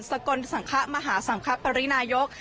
สกลสังขมหาสังคปรินายก